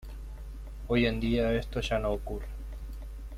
Hoy en día esto ya no ocurre.